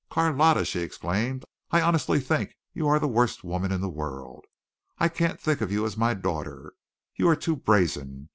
"Carlotta," she exclaimed, "I honestly think you are the worst woman in the world. I can't think of you as my daughter you are too brazen.